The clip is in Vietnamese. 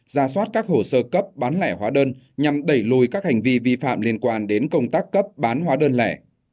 ra soát các hồ sơ cấp bán lẻ hóa đơn nhằm đẩy lùi các hành vi vi phạm liên quan đến công tác cấp bán hóa đơn lẻ